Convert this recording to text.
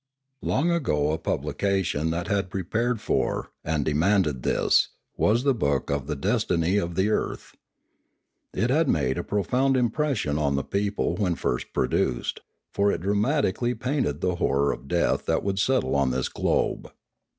Long ago a publication that had prepared for, and demanded this, was the book of the Destiny of the Earth. It had made a profound impression on the peo ple when first produced; for it dramatically painted the horror of death that would settle on this globe.